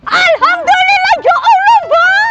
alhamdulillah ya allah mba